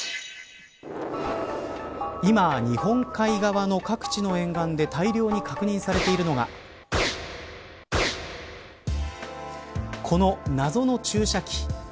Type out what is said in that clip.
今、日本海側の各地の沿岸で大量に確認されているのがこの謎の注射器。